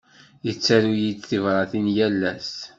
Tettaru-yi-d tibratin yal ass.